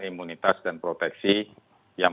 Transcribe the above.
imunitas dan proteksi yang